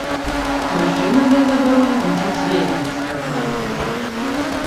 Прычына для забароны гучыць вельмі экстравагантна.